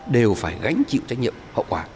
đều phải gánh chịu trách nhiệm hậu quả